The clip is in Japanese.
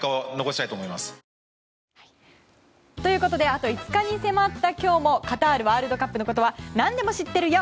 あと５日に迫った今日もカタールワールドカップのことは何でも知っているよ。